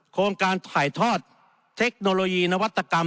โครงการถ่ายทอดเทคโนโลยีนวัตกรรม